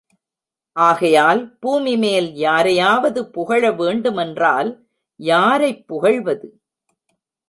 ஆகையால் பூமி மேல் யாரையாவது புகழ வேண்டுமென்றால் யாரைப் புகழ்வது?